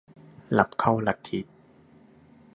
รับเข้าลัทธิ